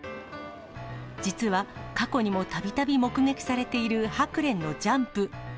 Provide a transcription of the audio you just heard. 実は過去にもたびたび目撃されているハクレンのジャンプ。